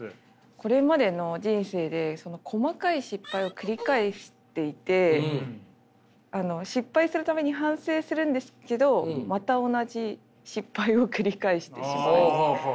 これまでの人生で細かい失敗を繰り返していて失敗する度に反省するんですけどまた同じ失敗を繰り返してしまう。